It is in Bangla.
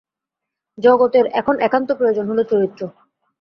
জগতের এখন একান্ত প্রয়োজন হল চরিত্র।